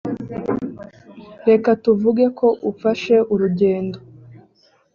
reka tuvuge ko ufashe urugendo